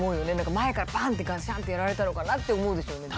前からバンッてガシャン！ってやられたのかなって思うでしょうね。